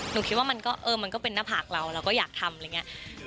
หนูคิดว่ามันก็เออมันก็เป็นหน้าผากเราเราก็อยากทำอะไรอย่างนี้